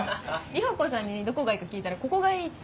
里穂子さんにどこがいいか聞いたらここがいいって。